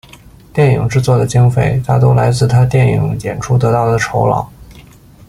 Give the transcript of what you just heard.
电影制作的经费大多来自他电影演出得到的酬劳。